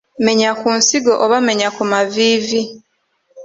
Menya ku nsingo oba menya ku maviivi.